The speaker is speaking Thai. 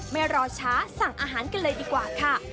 ไม่รอช้าสั่งอาหารกันเลยดีกว่าค่ะ